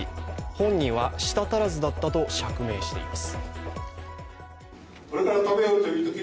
本人は舌足らずだったと釈明しています。